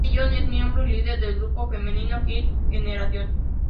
Taeyeon es miembro y líder del grupo femenino Girls' Generation.